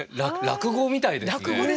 落語みたいですね。